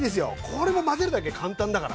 これも混ぜるだけ簡単だから。